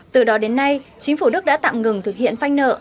từ đó đến nay chính phủ đức đã tạm ngừng thực hiện phanh nợ